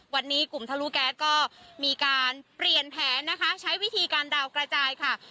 วันนี้กลุ่มทะลุแก๊สก็มีการเปลี่ยนแผนนะคะใช้วิธีการดาวกระจายค่ะ